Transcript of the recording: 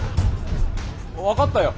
分かったよ。